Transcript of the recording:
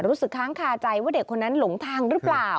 รู้สึกค้างคาใจว่าเด็กคนนั้นหลงทางหรือเปล่า